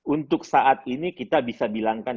untuk saat ini kita bisa bilangkan